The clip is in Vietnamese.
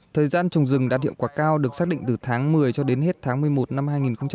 thời gian trồng rừng đạt hiệu quả cao được xác định từ tháng một mươi cho đến hết tháng một mươi một năm hai nghìn hai mươi